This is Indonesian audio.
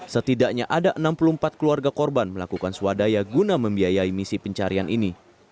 setidaknya ada enam puluh empat keluarga korban melakukan swadaya guna membiayai misi pencarian ini